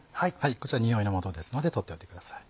こちら臭いのもとですので取っておいてください。